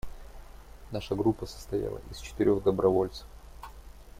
Наша группа состояла из четырех добровольцев.